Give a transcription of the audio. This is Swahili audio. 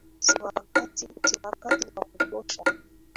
Si wakati wa kutosha.